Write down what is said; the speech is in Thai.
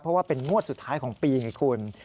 เพราะว่าเป็นงวดสุดท้ายของปีไงคุณ